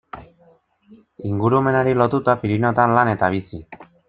Ingurumenari lotuta Pirinioetan lan eta bizi.